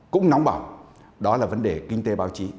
cũng nóng bỏng đó là vấn đề kinh tế báo chí